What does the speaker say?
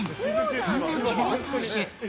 そんな木澤投手